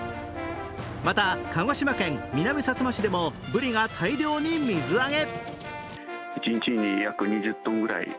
また、鹿児島県南さつま市でもぶりが大量に水揚げ。